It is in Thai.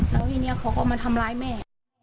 แล้วทีนี้เขาก็มาทำร้ายแม่